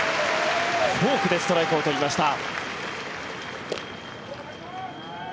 フォークでストライクを取りました。